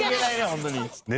ホントに」